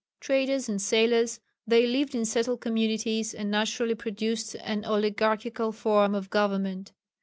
Traders and sailors, they lived in settled communities, and naturally produced an oligarchical form of government.